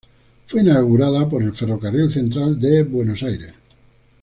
Fue inaugurada por el Ferrocarril Central de Buenos Aires.